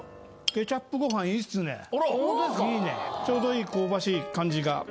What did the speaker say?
ちょうどいい香ばしい感じが。